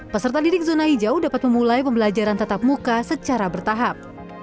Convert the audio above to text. peserta didik zona hijau dapat memulai pembelajaran tatap muka secara bertahap